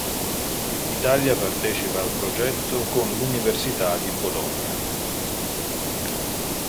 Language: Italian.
L'Italia partecipa al progetto con l'Università di Bologna.